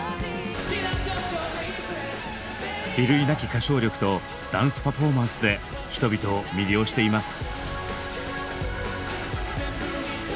比類なき歌唱力とダンスパフォーマンスで人々を魅了しています。